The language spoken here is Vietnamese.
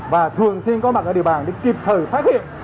và thường xuyên có mặt ở địa bàn để kịp thời phát hiện